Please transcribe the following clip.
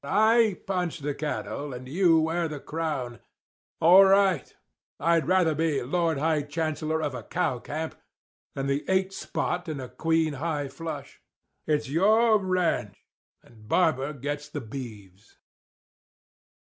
I punch the cattle and you wear the crown. All right. I'd rather be High Lord Chancellor of a cow camp than the eight spot in a queen high flush. It's your ranch; and Barber gets the beeves."